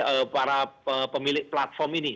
mereka harus dihormati oleh para pemilik platform ini